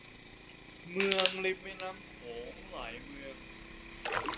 เมืองริมแม่น้ำโขงหลายเมือง